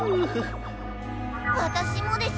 わたしもです。